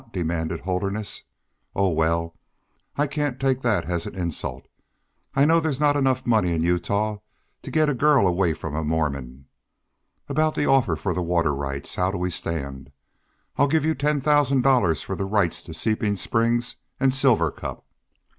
demanded Holderness. "Oh, well, I can't take that as an insult. I know there's not enough money in Utah to get a girl away from a Mormon.... About the offer for the water rights how do we stand? I'll give you ten thousand dollars for the rights to Seeping Springs and Silver Cup."